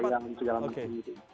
suka ayam segala macam gitu